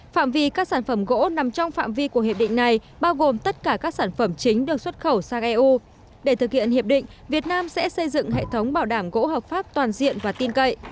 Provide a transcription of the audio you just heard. phạm vi các sản phẩm gỗ nằm trong phạm vi của hiệp định này bao gồm tất cả các sản phẩm chính được xuất khẩu sang eu để thực hiện hiệp định việt nam sẽ xây dựng hệ thống bảo đảm gỗ hợp pháp toàn diện và tin cậy